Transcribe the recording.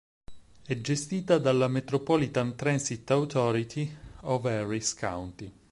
È gestita dalla Metropolitan Transit Authority of Harris County.